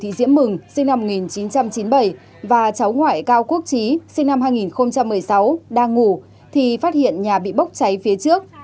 chị diễm mừng sinh năm một nghìn chín trăm chín mươi bảy và cháu ngoại cao quốc trí sinh năm hai nghìn một mươi sáu đang ngủ thì phát hiện nhà bị bốc cháy phía trước